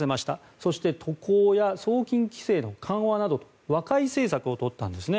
そして、渡航や送金規制の緩和など和解政策を取ったんですね。